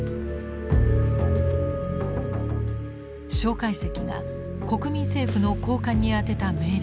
介石が国民政府の高官にあてた命令書。